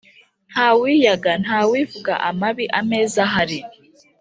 Ntawiyaga (ntawivuga) amabi ameza ahari.